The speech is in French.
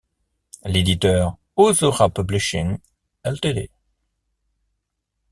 L'éditeur Ohzora Publishing Ltd.